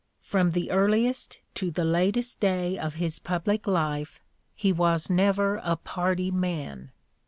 From the earliest to the latest day of his public life, he was never a party man.